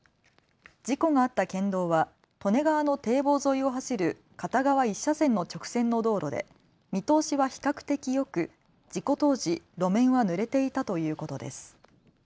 事故があった県道は利根川の堤防沿いを走る片側１車線の直線の道路で見通しは比較的よく事故当時、路面はぬれていたということです。